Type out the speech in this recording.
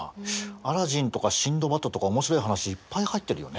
アラジンとかシンドバッドとか面白い話いっぱい入ってるよね。